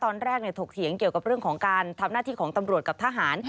ถกเถียงเกี่ยวกับเรื่องของการทำหน้าที่ของตำรวจกับทหาร